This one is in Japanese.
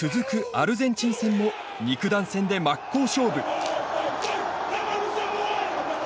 アルゼンチン戦も肉弾戦で真っ向勝負。